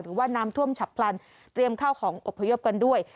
หรือว่าน้ำท่วมฉับพลันเตรียมข้าวของอบพยพกันด้วย